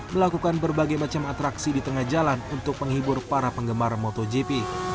melakukan berbagai macam atraksi di tengah jalan untuk menghibur para penggemar motogp